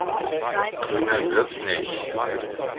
Grüner wird's nicht.